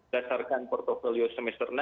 dasarkan portfolio semester enam